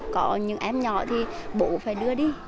có những em nhỏ thì bố phải đưa đi